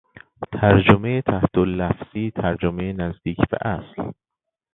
ترجمهی تحتاللفظی، ترجمهی نزدیک به اصل